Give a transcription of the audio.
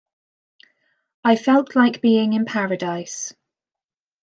I felt like being in paradise.